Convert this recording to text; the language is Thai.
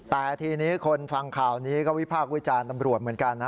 แต่ทีนี้คนฟังข่าวนี้ก็วิพากษ์วิจารณ์ตำรวจเหมือนกันนะ